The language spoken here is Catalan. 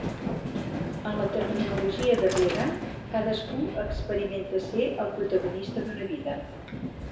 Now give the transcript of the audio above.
En la terminologia de Regan, cadascú experimenta ser el protagonista d'una vida.